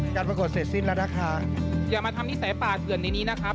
การประกวดเสร็จสิ้นแล้วนะคะอย่ามาทำนิสัยป่าเถื่อนในนี้นะครับ